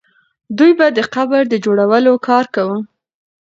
دوی به د قبر د جوړولو کار کاوه.